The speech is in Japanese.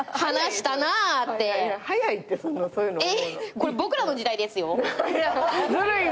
これ『ボクらの時代』ですよ。